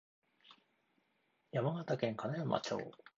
山形県金山町